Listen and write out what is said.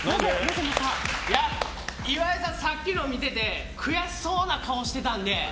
岩井さん、さっきのを見てて悔しそうな顔してたんで。